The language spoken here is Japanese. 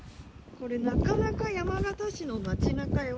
これ、なかなか山形市の街なかよ。